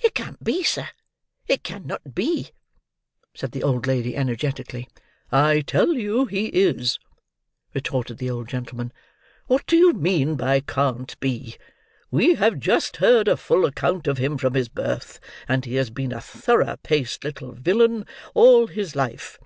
"It can't be, sir. It cannot be," said the old lady energetically. "I tell you he is," retorted the old gentleman. "What do you mean by can't be? We have just heard a full account of him from his birth; and he has been a thorough paced little villain, all his life."